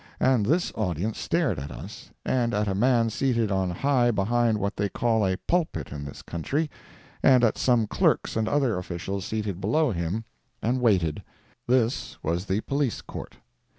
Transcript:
And this audience stared at us, and at a man seated on high behind what they call a pulpit in this country and at some clerks and other officials seated below him—and waited. This was the police court.